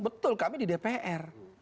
betul kami di dpr